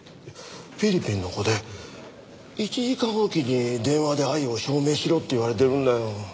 フィリピンの子で１時間おきに電話で愛を証明しろって言われてるんだよ。